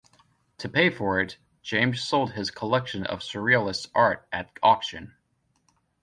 To pay for it, James sold his collection of Surrealist art at auction.